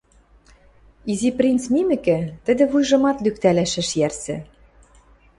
Изи принц мимӹкӹ, тӹдӹ вуйжымат лӱктӓлӓш ӹш йӓрсӹ.